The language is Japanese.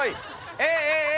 え？